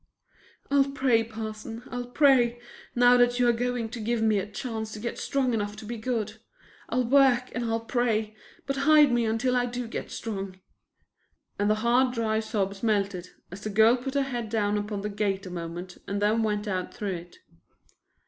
"I'll pray, Parson, I'll pray, now that you are going to give me my chance to get strong enough to be good. I'll work and I'll pray, but hide me until I do get strong." And the hard, dry sobs melted as the girl put her head down upon the gate a moment and then went out through it.